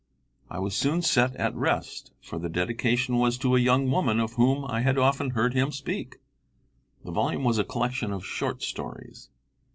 I was soon set at rest, for the dedication was to a young woman of whom I had often heard him speak. The volume was a collection of short stories.